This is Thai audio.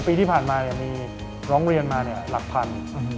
ปีที่ผ่านมามีร้องเรียนมาหลักพัน